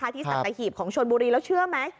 สัตหีบของชนบุรีแล้วเชื่อไหม